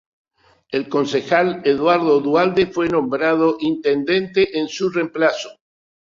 El concejal Eduardo Duhalde fue nombrado intendente en su reemplazo.